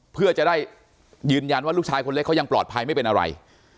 เพื่อจะได้ยืนยันว่าลูกชายคนเล็กเขายังปลอดภัยไม่เป็นอะไร